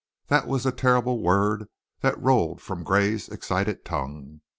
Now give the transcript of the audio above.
That was the terrible word that rolled from Gray's excited tongue.